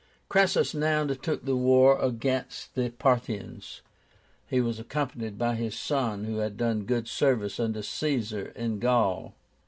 CRASSUS now undertook the war against the Parthians. He was accompanied by his son, who had done good service under Caesar in Gaul.